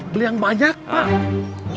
beli yang banyak pak